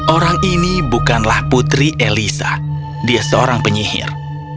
orang ini bukanlah putri elisa dia seorang penyihir